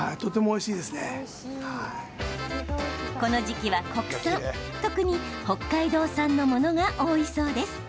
この時期は、国産、特に北海道産のものが多いそうです。